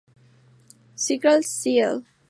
Crítica Cl.